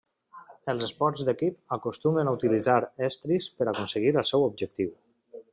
Els esports d'equip acostumen a utilitzar estris per aconseguir el seu objectiu.